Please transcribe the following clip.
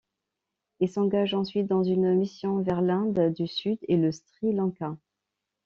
Il s'engage ensuite dans une mission vers l'Inde du Sud et le Sri Lanka.